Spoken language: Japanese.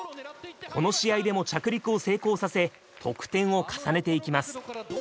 この試合でも着陸を成功させ得点を重ねていきます。